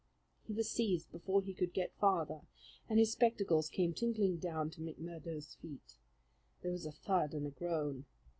He was seized before he could get farther, and his spectacles came tinkling down to McMurdo's feet. There was a thud and a groan.